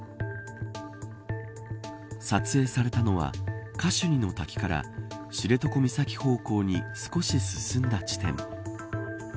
撮影されたのはカシュニの滝から知床岬方向に少し進んだ地点。